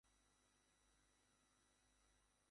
এখানে নবীন-প্রবীণ সব শিল্পীরই শিল্পকর্ম বিক্রির ব্যবস্থা ছিল।